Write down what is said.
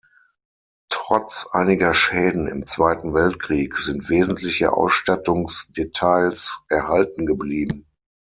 Trotz einiger Schäden im Zweiten Weltkrieg sind wesentliche Ausstattungsdetails erhalten geblieben.